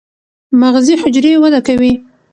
مغزي حجرې وده کوي.